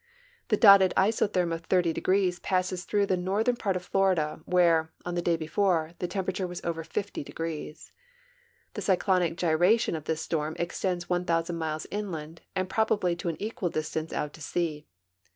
The dotted isotherm of 30 degrees passes through the northern part of Florida, where, on the day before, the temper ature was over 50 degrees. The cyclonic gyration of this storm extends 1,000 miles inland and probably to an eipial distance out to sea.